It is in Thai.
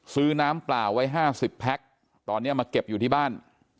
ซื้อน้ำเปล่าไว้๕๐แพ็คตอนนี้มาเก็บอยู่ที่บ้าน